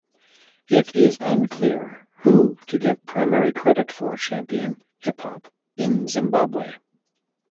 It is unclear who to give primary credit for championing hip hop in Zimbabwe.